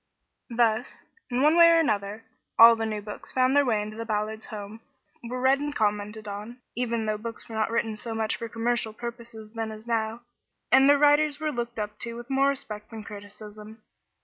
Thus, in one way or another, all the new books found their way into the Ballards' home, were read and commented on, even though books were not written so much for commercial purposes then as now, and their writers were looked up to with more respect than criticism.